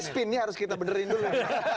spinnya harus kita benerin dulu